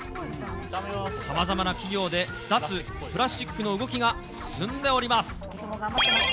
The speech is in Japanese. さまざまな企業で脱プラスチックの動きが進んでおります。